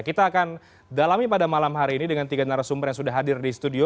kita akan dalami pada malam hari ini dengan tiga narasumber yang sudah hadir di studio